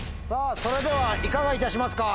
それではいかがいたしますか？